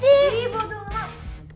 ayo duduk duduk